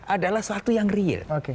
adalah suatu yang real